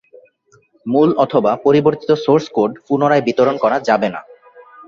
মূল অথবা পরিবর্তিত সোর্স কোড পুনরায় বিতরণ করা যাবে না।